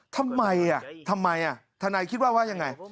ทำไมทำไมทนายคิดว่าว่ายังไง